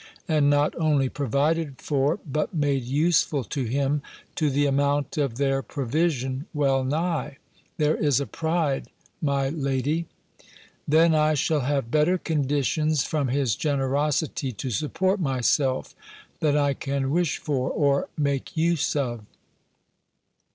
and not only provided for but made useful to him, to the amount of their provision, well nigh! There is a pride, my lady! Then I shall have better conditions from his generosity to support myself, than I can wish for, or make use of.